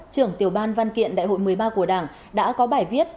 trưởng tiểu ban văn kiện đại hội một mươi ba của đảng đã có bài viết